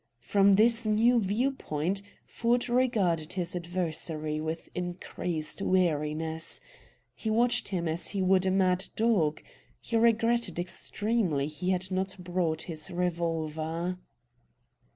From this new view point Ford regarded his adversary with increased wariness; he watched him as he would a mad dog. He regretted extremely he had not brought his revolver.